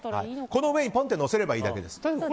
この上にポンと乗せればいいだけです。